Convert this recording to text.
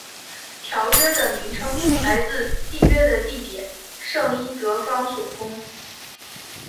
条约的名称来自缔约的地点圣伊德方索宫。